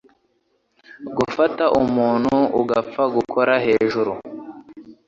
Gufata umuntu upfa gukora hejuru